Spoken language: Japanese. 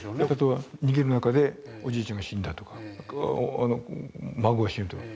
逃げる中でおじいちゃんが死んだとか孫が死ぬとか。